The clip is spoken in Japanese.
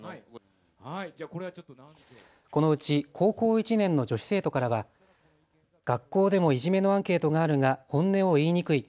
このうち高校１年の女子生徒からは学校でもいじめのアンケートがあるが本音を言いにくい。